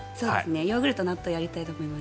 ヨーグルト、納豆やりたいと思います。